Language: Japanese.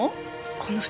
この二人